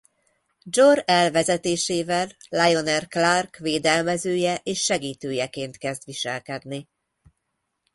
Jor-El vezetésével Lionel Clark védelmezője és segítőjeként kezd viselkedni.